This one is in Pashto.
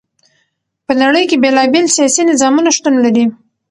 په نړی کی بیلا بیل سیاسی نظامونه شتون لری.